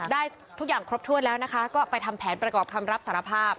ได้ทุกอย่างครบถ้วนแล้วนะคะก็ไปทำแผนประกอบคำรับสารภาพ